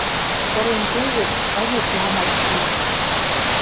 Пырен кеет — ӓнят, ямат вик?